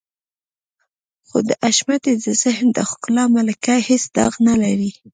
خو د حشمتي د ذهن د ښکلا ملکه هېڅ داغ نه لري.